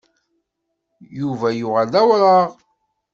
Yuba yuɣal d awraɣ.